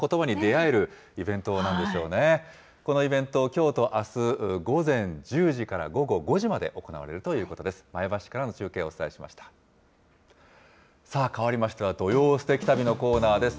このイベント、きょうとあす、午前１０時から午後５時まで行われるということです。